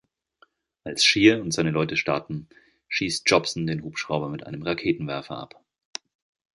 Als Shear und seine Leute starten, schießt Jobson den Hubschrauber mit einem Raketenwerfer ab.